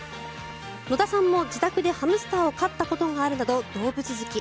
野田さんも自宅でハムスターを飼ったことがあるなど動物好き。